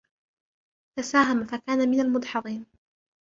فساهم فكان من المدحضين